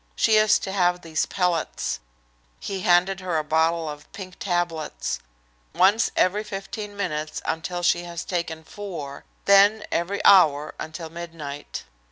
She is to have these pellets," he handed her a bottle of pink tablets, "once every fifteen minutes until she has taken four, then every hour until midnight.